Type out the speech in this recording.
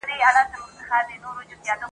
په پردي څټ کي سل سوکه څه دي ..